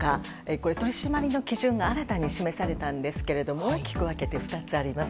これ、取り締まりの基準が新たに示されたんですが大きく分けて２つあります。